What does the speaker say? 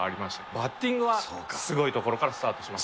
バッティングはすごいところからスタートしました。